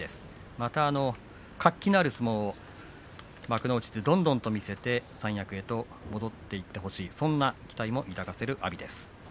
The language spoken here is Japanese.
また活気のある相撲を幕内でどんどんと見せて三役に戻ってほしいそんな期待も抱かせる阿炎です。